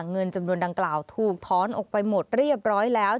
เงินจำนวนดังกล่าวถูกถอนออกไปหมดเรียบร้อยแล้ว